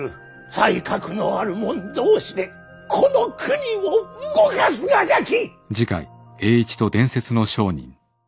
才覚のある者同士でこの国を動かすがじゃき。